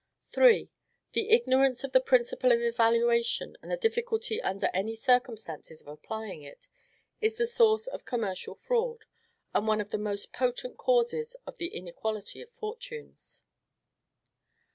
3. The ignorance of the principle of evaluation, and the difficulty under many circumstances of applying it, is the source of commercial fraud, and one of the most potent causes of the inequality of fortunes.